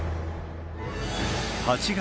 ８月。